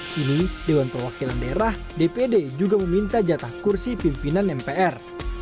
kini dewan perwakilan daerah dpd juga meminta jatah kursi pimpinan mpr